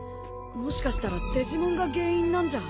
もしかしたらデジモンが原因なんじゃ。